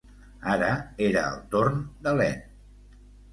Ara era el torn de Ien.